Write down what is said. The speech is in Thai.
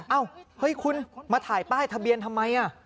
เอ้าเฮ้ยคุณมาถ่ายป้ายทะเบียนทำไม